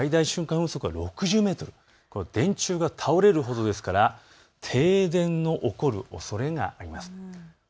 風速は６０メートル、これは電柱が倒れるほどですから停電の起こるおそれがあります。